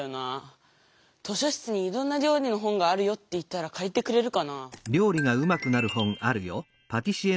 「図書室にいろんなりょうりの本があるよ」って言ったらかりてくれるかなぁ？